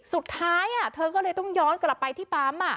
สุดท้ายเธอก็เลยต้องย้อนกลับไปที่ปั๊ม